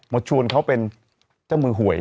มาชวนเขาเป็นเจ้ามือหวย